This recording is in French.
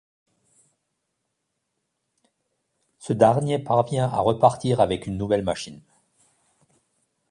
Ce dernier parvient à repartir avec une nouvelle machine.